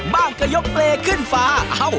บ้างก็ยกเลขึ้นฝา